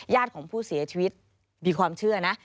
ของผู้เสียชีวิตมีความเชื่อนะ